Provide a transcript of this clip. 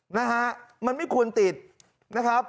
นะฮะมันไม่ควรติดนะครับ